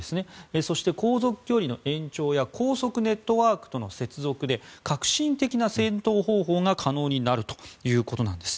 そして、航続距離の延長や高速ネットワークとの接続で革新的な戦闘方法が可能になるということです。